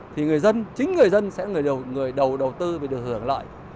thì chính người dân sẽ là người đầu đầu tư và được hưởng lợi